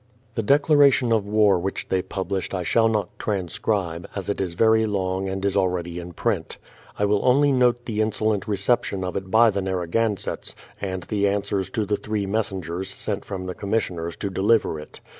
The declaration of war which they pubHshed I shall not transcribe, as it is very long and is already in print. I will only note the insolent reception of it by the Narragansetts, and the answers to the three messengers sent from the commissioners to deliver it.